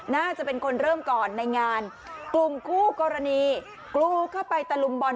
น่าจะเป็นคนเริ่มก่อนในงานกลุ่มคู่กรณีกรูเข้าไปตะลุมบอล